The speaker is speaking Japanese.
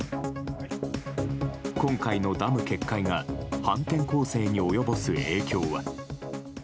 今回のダム決壊が反転攻勢に及ぼす影響は。